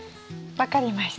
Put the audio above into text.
分かりました。